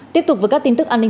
tiếp tục với các tin tức an ninh